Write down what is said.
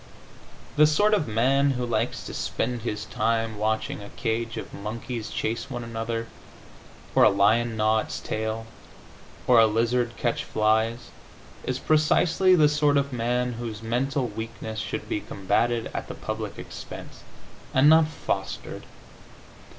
The sort of man who likes to spend his time watching a cage of monkeys chase one another, or a lion gnaw its tail, or a lizard catch flies, is precisely the sort of man whose mental weakness should be combatted at the public expense, and not fostered.